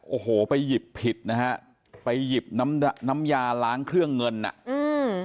โอ้โหไปหยิบผิดนะฮะไปหยิบน้ำน้ำยาล้างเครื่องเงินอ่ะอืม